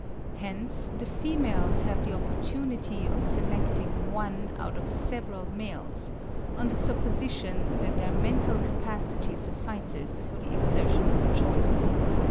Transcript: Hence the females have the opportunity of selecting one out of several males, on the supposition that their mental capacity suffices for the exertion of a choice.